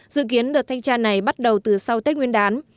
dự kiến đợt thanh tra này bắt đầu từ sau tết nguyên đán